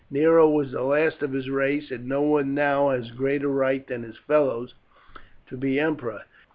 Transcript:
Nero was the last of his race, and no one now has greater right than his fellows to be emperor.